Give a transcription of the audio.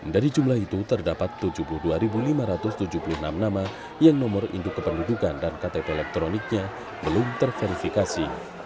dari jumlah itu terdapat tujuh puluh dua lima ratus tujuh puluh enam nama yang nomor induk kependudukan dan ktp elektroniknya belum terverifikasi